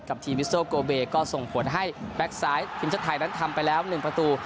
ทีมวิสโซโกเบก็ส่งผลให้แบ็คซ้ายทีมชาติไทยนั้นทำไปแล้ว๑ประตู